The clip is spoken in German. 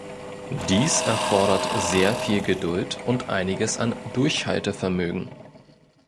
Dies erfordert sehr viel Geduld und einiges an Durchhaltevermögen.